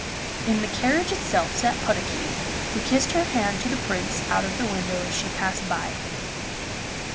In the carriage itself sat Puddocky, who kissed her hand to the Prince out of the window as she passed by.